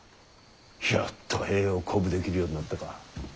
やっと兵を鼓舞できるようになったか。